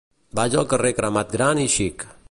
Vaig al carrer Cremat Gran i Xic.